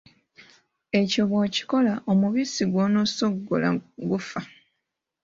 Ekyo bw’okikola omubisi gw’onoosogola gufa.